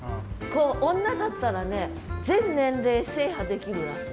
女だったらね全年齢制覇できるらしい。